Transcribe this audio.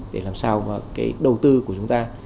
để làm sao mà cái đầu tư của chúng ta